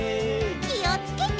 きをつけて。